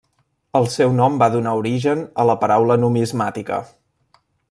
El seu nom va donar origen a la paraula numismàtica.